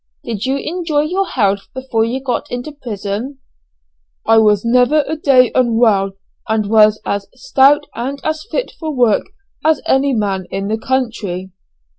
"Did you enjoy your health before you got into prison?" "I was never a day unwell, and was as stout and as fit for work as any man in the country."